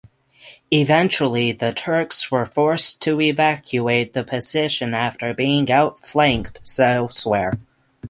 Eventually the Turks were forced to evacuate the position after being outflanked elsewhere.